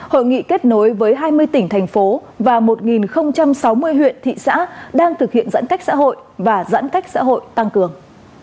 hội nghị kết nối với hai mươi tỉnh thành phố và một sáu mươi huyện thị xã đang thực hiện giãn cách xã hội và giãn cách xã hội tăng cường